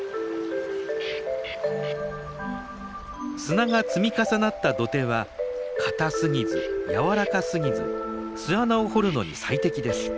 砂が積み重なった土手は硬すぎず軟らかすぎず巣穴を掘るのに最適です。